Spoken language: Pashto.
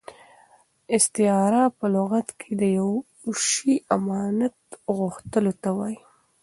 استعاره په لغت کښي د یوه شي امانت غوښتلو ته وايي.